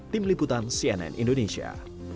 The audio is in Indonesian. tim liputan cnn indonesia